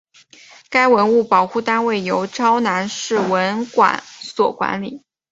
该文物保护单位由洮南市文管所管理。